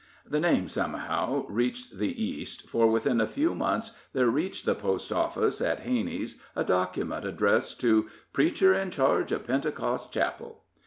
The name, somehow, reached the East, for within a few months there reached the post office at Hanney's a document addressed to "Preacher in charge of Pentecost Chapel."